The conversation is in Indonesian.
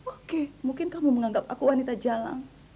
oke mungkin kamu menganggap aku wanita jalan